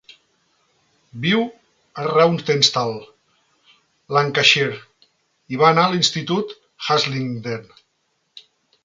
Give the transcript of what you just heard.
Viu a Rawtenstall, Lancashire, i va anar a l'institut Haslingden.